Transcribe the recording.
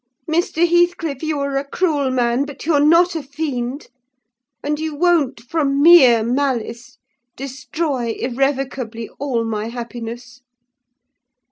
Mr. Heathcliff, you're a cruel man, but you're not a fiend; and you won't, from mere malice, destroy irrevocably all my happiness.